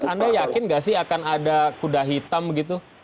anda yakin nggak sih akan ada kuda hitam gitu